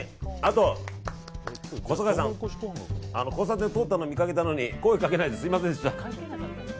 あと、小堺さん交差点通ったの見かけたのに声掛けないですみませんでした。